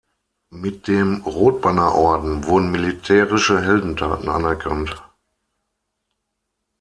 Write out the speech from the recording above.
Mit dem Rotbannerorden wurden militärische Heldentaten anerkannt.